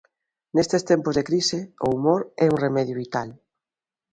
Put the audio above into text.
Nestes tempos de crise, o humor é un remedio vital.